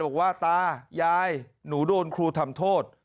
บอกว่าตายายหนูโดนครูทำโทษ